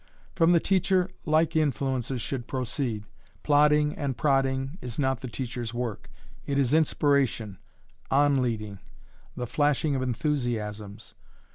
From the teacher like influences should proceed. Plodding and prodding is not the teacher's work. It is inspiration, on leading, the flashing of enthusiasms.